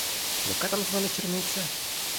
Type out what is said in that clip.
Яка там з мене черниця?